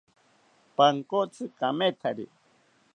Pankotzi kamethari